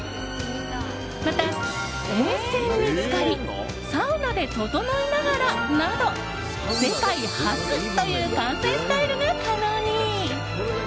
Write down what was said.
また温泉につかりサウナでととのいながらなど世界初という観戦スタイルが可能に。